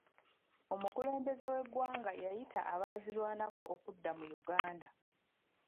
Omukulembeze w'eggwanga yayita abaazirwanako okudda mu Uganda .